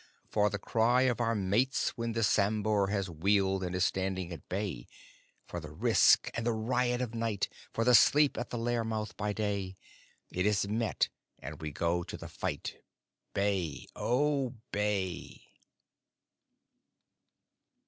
For the cry of our mates when the sambhur has wheeled and is standing at bay, For the risk and the riot of night! For the sleep at the lair mouth by day, It is met, and we go to the fight. Bay! O bay!